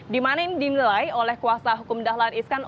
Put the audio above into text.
dimana ini dinilai oleh kuasa hukum dahlan iskan